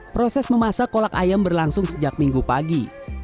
proses memasak kolak ayam berlangsung sejak minggu pagi